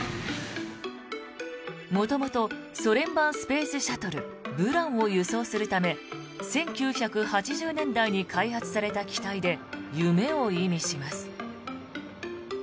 元々、ソ連版スペースシャトルブランを輸送するため１９８０年代に開発された機体で「夢」を意味します。